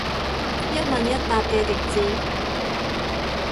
一問一答嘅極致